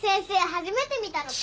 初めて見たのか？